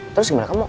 terus gimana kamu